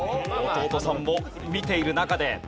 弟さんも見ている中で。